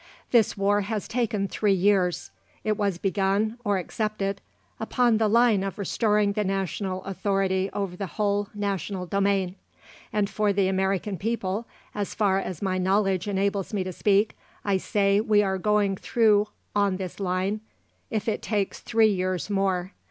This war has taken three years; it was begun, or accepted, upon the line of restoring the national authority over the whole national domain; and for the American people, as far as my knowledge enables me to speak, I say we are going through on this line if it takes three years more.